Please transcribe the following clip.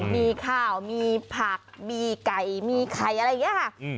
มีข้าวมีผักมีไก่มีไข่อะไรอย่างนี้ค่ะ